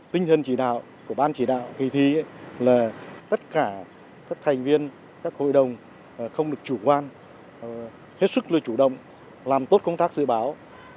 tinh thần chỉ đạo của ban chỉ đạo kỳ thi là tất cả các thành viên các hội đồng không được chủ quan hết sức lưu chủ động làm tốt công tác dự báo